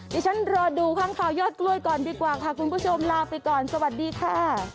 ดิฉันรอดูข้างคาวยอดกล้วยก่อนดีกว่าค่ะคุณผู้ชมลาไปก่อนสวัสดีค่ะ